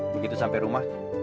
begitu sampai rumah